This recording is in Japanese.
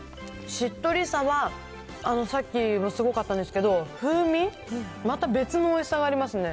確かにしっとりさはさっきのすごかったんですけど、風味、また別のおいしさがありますね。